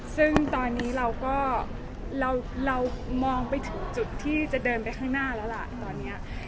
ซึ่งตอนนี้เราก็เรามองไปถึงจุดที่จะเดินไปข้างหน้าแล้วล่ะตอนนี้